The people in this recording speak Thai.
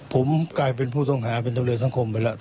ผมกลายเป็นผู้ต้องหาเป็นตำรวจสังคมไปแล้ว